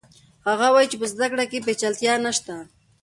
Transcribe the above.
هغه وایي چې په زده کړه کې پیچلتیا نشته.